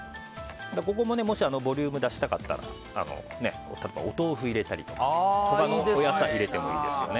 もしボリューム出したかったらお豆腐入れたりとか他のお野菜入れてもいいですね。